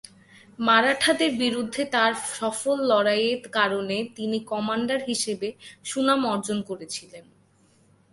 মারাঠাদের বিরুদ্ধে তার সফল লড়াইয়ের কারণে তিনি কমান্ডার হিসেবে সুনাম অর্জন করেছিলেন।